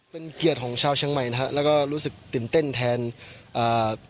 เป็นเกียรติของชาวเชียงใหม่นะฮะแล้วก็รู้สึกตื่นเต้นแทนอ่า